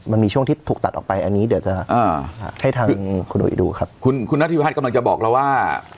มันมีช่วงที่ถูกตัดออกไปอันนี้เดี๋ยวจะอ่าให้ทางคุณอุ๋ยดูครับคุณคุณนัทธิพัฒน์กำลังจะบอกเราว่า